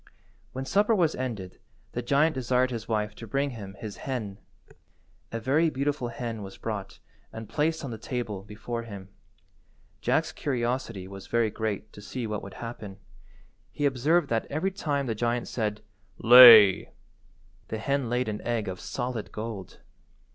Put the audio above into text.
When supper was ended the giant desired his wife to bring him his hen. A very beautiful hen was brought and placed on the table before him. Jack's curiosity was very great to see what would happen. He observed that every time the giant said "Lay," the hen laid an egg of solid gold.